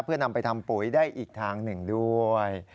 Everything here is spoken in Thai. เพื่อนำไปทำปุ๋ยได้อีกทางหนึ่งด้วย